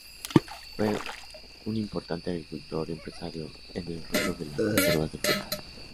Fue un importante agricultor y empresario en el rubro de las conservas de fruta.